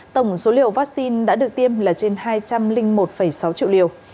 tổng số liều vaccine đã được tiêm là trên hai trăm linh một sáu triệu liều